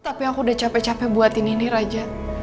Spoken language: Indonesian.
tapi aku udah capek capek buatin ini raja